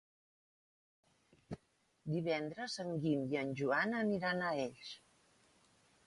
Divendres en Guim i en Joan aniran a Elx.